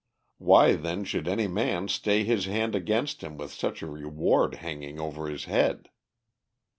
Why then should any man stay his hand against him with such a reward hanging over his head?